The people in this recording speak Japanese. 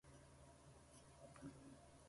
北海道斜里町